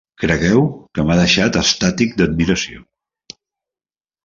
Cregueu que m'ha deixat estàtic d'admiració